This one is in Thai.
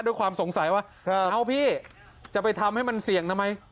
ด้วยความสงสัยว่าเอ้าพี่จะไปทำให้มันเสี่ยงทำไม